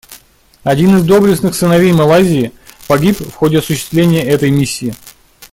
Один из доблестных сыновей Малайзии погиб в ходе осуществления этой миссии.